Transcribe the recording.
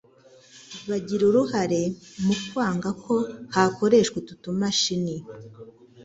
bagira uruhare mu kwanga ko hakoreshwa utu tumashini,